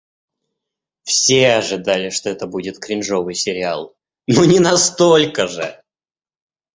Все ожидали, что это будет кринжовый сериал, но не настолько же!